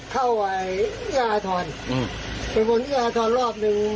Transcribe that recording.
เข้าว่าย่ายาถอนไปวนอย่างอายุอาทรรศ์รอบนึง